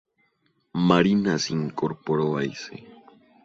Marina se incorporó a ese